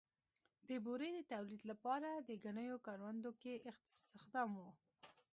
د بورې د تولید لپاره د ګنیو کروندو کې استخدام و.